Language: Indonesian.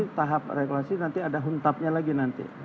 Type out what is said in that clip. ya nanti tahap regulasi nanti ada huntapnya lagi nanti